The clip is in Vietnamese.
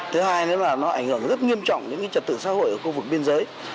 thứ hai nó ảnh hưởng rất nghiêm trọng đến trật tự xã hội ở khu vực biên giới